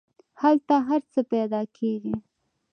هلته هر څه پیدا کیږي.